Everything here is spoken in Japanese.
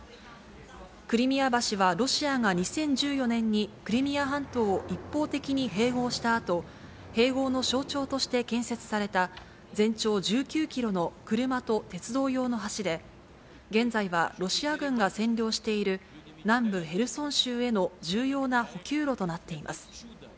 クリミア橋はロシアが２０１４年にクリミア半島を一方的に併合したあと、併合の象徴として建設された、全長１９キロの車と鉄道用の橋で、現在はロシア軍が占領している南部ヘルソン州への重要な補給路となっています。